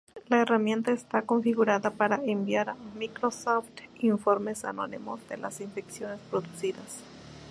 La herramienta está configurada para enviar a Microsoft informes anónimos de las infecciones producidas.